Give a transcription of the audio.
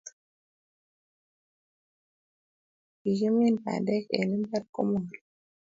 Kikimin bandek en imbar ko marut